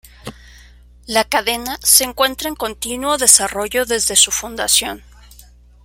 La cadena se encuentra en continuo desarrollo desde su fundación.